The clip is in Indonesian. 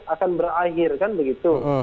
akan berakhir kan begitu